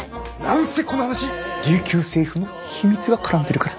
何せこの話琉球政府の秘密が絡んでるから。